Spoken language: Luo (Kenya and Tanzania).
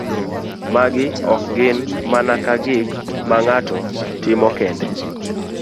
Magi ok gin mana gik ma ng'ato timo kende